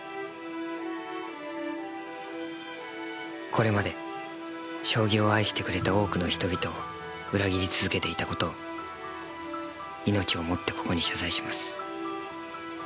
これまで将棋を愛してくれた多くの人々を裏切り続けていた事を命をもってここに謝罪します。